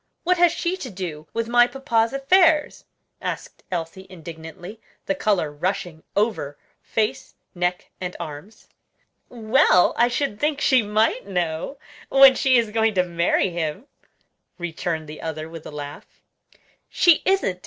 what has she to do with my papa's affairs?" asked Elsie indignantly, the color rushing over face, neck, and arms. "Well, I should think she might know, when she is going to marry him," returned the other, with a laugh. "She isn't!